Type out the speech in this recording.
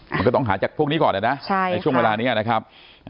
มันก็ต้องหาจากพวกนี้ก่อนนะในช่วงเวลานี้นะครับ